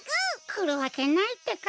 くるわけないってか。